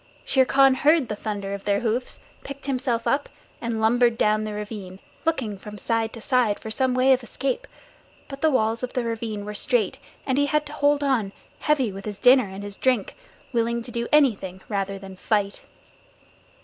Shere Khan heard the thunder of their hoofs, picked himself up, and lumbered down the ravine, looking from side to side for some way of escape, but the walls of the ravine were straight and he had to hold on, heavy with his dinner and his drink, willing to do anything rather than fight.